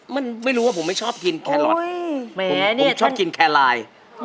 มันไม่รู้ว่าผมไม่ชอบกินแครอทแม้ผมชอบกินแคร์ไลน์